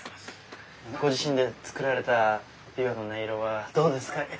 ご自身で作られた琵琶の音色はどうですか？